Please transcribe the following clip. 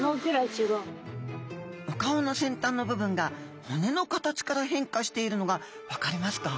お顔のせんたんの部分が骨の形から変化しているのが分かりますか？